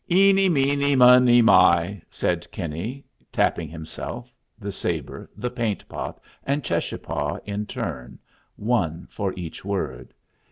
"'Eeny, meeny, money, my,'" said Kinney, tapping himself, the sabre, the paint pot, and Cheschapah in turn, one for each word.